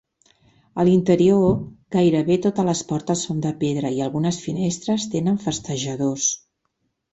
A l'interior gairebé totes les portes són de pedra i algunes finestres tenen festejadors.